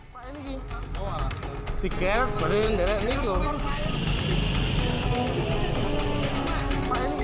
hai pak ini dikerak berindah itu